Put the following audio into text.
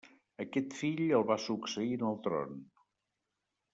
Aquest fill el va succeir en el tron.